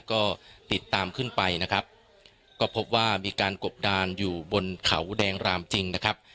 ก็ติดตามขึ้นไปนะครับก็พบว่ามีการกบดานอยู่บนเขาแดงรามจริงนะครับ